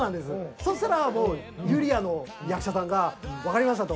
そしたらユリアの役者さんが「わかりました」と。